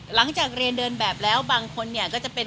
หลังจากเรียนเดินแบบแล้วบางคนเนี่ยก็จะเป็น